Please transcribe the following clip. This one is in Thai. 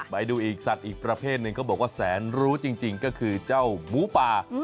ไปดูอีกสัตว์อีกประเภทหนึ่งเขาบอกว่าแสนรู้จริงก็คือเจ้าหมูป่า